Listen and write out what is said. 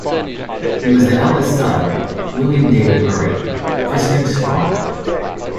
He was the eldest son of William David Murray, Viscount Stormont.